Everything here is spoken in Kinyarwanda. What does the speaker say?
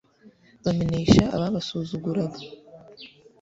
bamenesha ababasuzuguraga